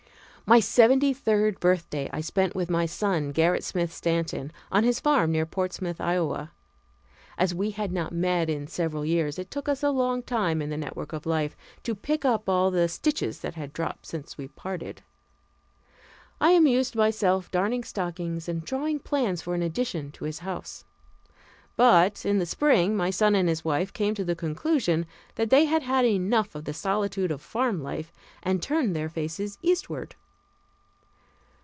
My seventy third birthday I spent with my son Gerrit Smith Stanton, on his farm near Portsmouth, Iowa. As we had not met in several years, it took us a long time, in the network of life, to pick up all the stitches that had dropped since we parted. I amused myself darning stockings and drawing plans for an addition to his house. But in the spring my son and his wife came to the conclusion that they had had enough of the solitude of farm life and turned their faces eastward.